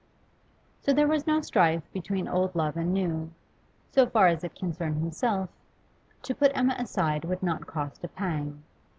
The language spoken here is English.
So there was no strife between old love and new; so far as it concerned himself, to put Emma aside would not cost a pang.